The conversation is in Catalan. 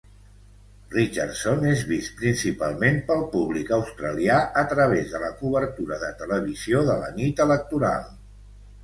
Richardson és vist principalment pel públic australià a través de la cobertura de televisió de la nit electoral.